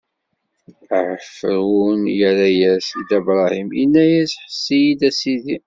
Ɛifṛun irra-as i Dda Bṛahim, inna: Ḥess-iyi-d, a sidi!